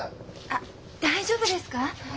あっ大丈夫ですか？